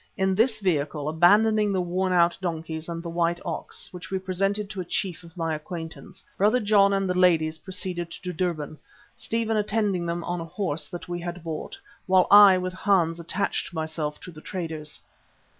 In this vehicle, abandoning the worn out donkeys and the white ox, which we presented to a chief of my acquaintance, Brother John and the ladies proceeded to Durban, Stephen attending them on a horse that we had bought, while I, with Hans, attached myself to the traders.